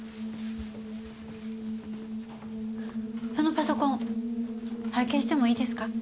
そのパソコン拝見してもいいですか？